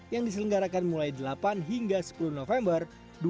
yang diselenggarakan mulai delapan hingga sepuluh november dua ribu dua puluh